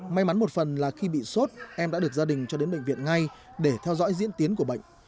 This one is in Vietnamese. may mắn một phần là khi bị sốt em đã được gia đình cho đến bệnh viện ngay để theo dõi diễn tiến của bệnh